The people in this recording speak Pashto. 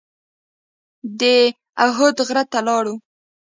د احد غره ته لاړو.